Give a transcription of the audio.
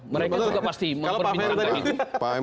mereka juga pasti memperbincangkan itu